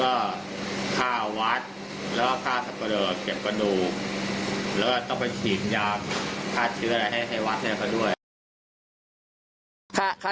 โอเคค่ะแล้วแล้วมีอะไรค่ะมีแล้วก็ค่าสับเบลอ